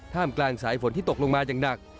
ห้ามกลางสายฝนที่จะตกยังหนัก